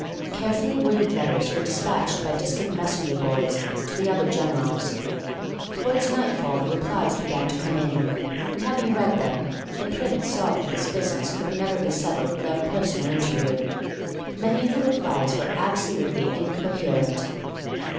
Carefully worded letters were despatched by District Messenger boys to the other generals. Towards nightfall the replies began to come in, and, having read them, the Prince saw that this business could never be settled without a personal interview. Many of the replies were absolutely incoherent.